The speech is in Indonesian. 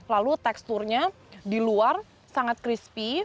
lalu teksturnya di luar sangat crispy